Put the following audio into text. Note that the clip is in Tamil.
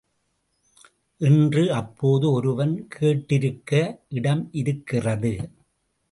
என்று அப்போது ஒருவன் கேட்டிருக்க இடமிருக்கிறது.